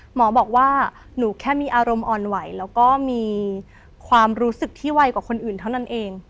หมอบอกว่าหนูแค่มีอารมณ์อ่อนไหวแล้วก็มีความรู้สึกที่ไวกว่าคนอื่นเท่านั้นเอง